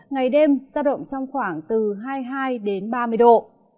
ngày đêm giao động trong khoảng từ hai mươi hai đến ba mươi độ